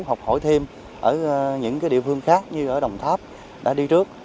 học hỏi thêm ở những địa phương khác như ở đồng tháp đã đi trước